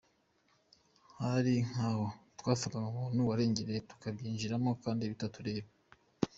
Hari nk’aho twafataga umuntu warengereye tukabyinjiramo kandi bitatureba.